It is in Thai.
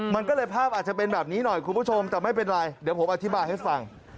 มันก็เลยภาพอาจจะเป็นแบบนี้หน่อยคุณผู้ชมแต่ไม่เป็นไรเดี๋ยวผมอธิบายให้ฟัง